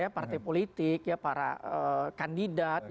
partai politik para kandidat